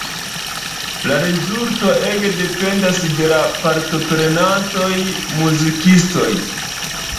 La rezulto ege dependas de la partoprenantaj muzikistoj.